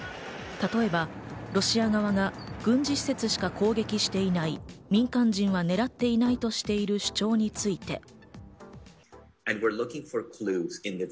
例えば、ロシア側が軍事施設しか攻撃していない、民間人は狙っていないとしている主張について。